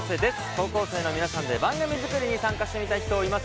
高校生の皆さんで番組作りに参加してみたい人いませんか？